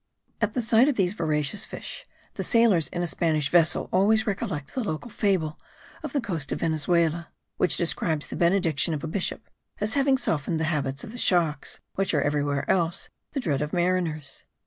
At the sight of these voracious fish the sailors in a Spanish vessel always recollect the local fable of the coast of Venezuela, which describes the benediction of a bishop as having softened the habits of the sharks, which are everywhere else the dread of mariners.